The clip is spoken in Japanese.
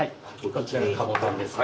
こちらがかぼタンですね。